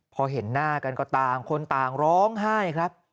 พอเห็นหน้ากันก็ต่างคนต่างร้องไห้ครับ